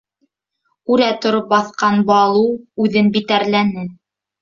— Үрә тороп баҫҡан Балу үҙен битәрләне.